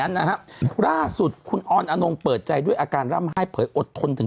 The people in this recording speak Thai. นะฮะล่าสุดคุณออนอนงเปิดใจด้วยอาการร่ำไห้เผยอดทนถึง